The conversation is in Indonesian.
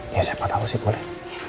ya siapa tahu sih boleh